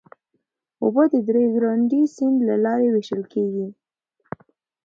اوبه د ریو ګرانډې سیند له لارې وېشل کېږي.